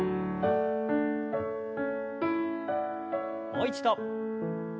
もう一度。